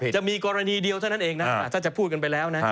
จะมีกรณีเดียวเท่านั้นเองนะถ้าจะพูดกันไปแล้วนะ